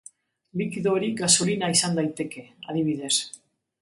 Likido hori, gasolina izan daiteke, adibidez.